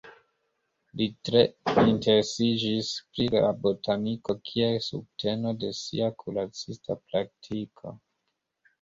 Li tre interesiĝis pri la botaniko kiel subteno de sia kuracista praktiko.